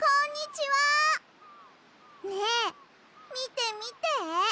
ねえみてみて！